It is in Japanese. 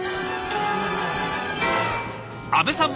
阿部さん